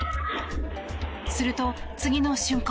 すると、次の瞬間。